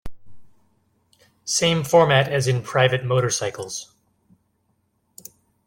Same format as in private motorcycles.